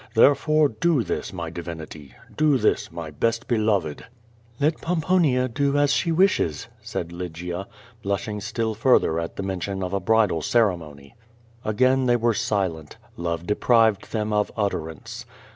Therefore do this, my divin ity, do this, my best beloved." "Let Pomponia do as she wishes," said Lygia, blushing still further at the mention of a bridal ceremony. Again they were silent. Love deprived them of utterance.